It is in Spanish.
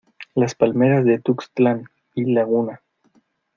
las palmeras de Tuxtlan y Laguna...